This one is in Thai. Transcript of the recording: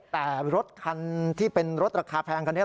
แต่รถคันที่เป็นรถราคาแพงคันนี้